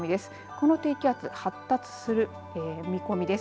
この低気圧発達する見込みです。